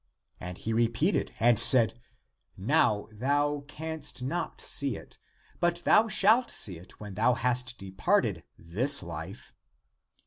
And he repeated and said, " Now thou canst not see it, but thou shalt see it when thou hast departed this life."